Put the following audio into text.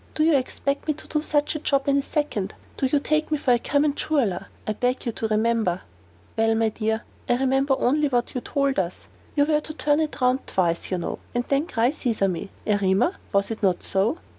Do you expect me to do such a job in one second? Do you take me for a common jeweler? I beg you to remember " "Well, my dear, I remember only what you told us. You were to turn it round twice, you know, and then cry Sesame. Erema, was it not so?"